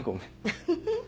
フフフ。